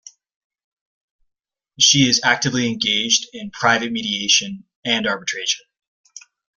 She is actively engaged in private mediation and arbitration.